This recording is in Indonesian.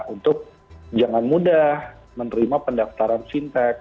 untuk jangan mudah menerima pendaftaran fintech